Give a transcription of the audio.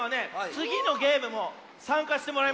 つぎのゲームもさんかしてもらいますよ。